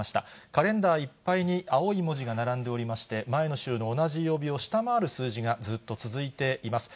カレンダーいっぱいに青い文字が並んでおりまして、前の週の同じ曜日を下回る数字がずっと続いています。